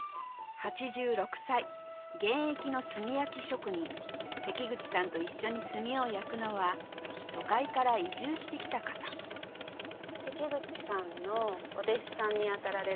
８６歳現役の炭焼き職人関口さんと一緒に炭を焼くのは都会から移住して来た方関口さんのお弟子さんに当たられるんですか？